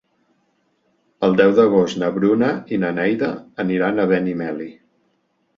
El deu d'agost na Bruna i na Neida aniran a Benimeli.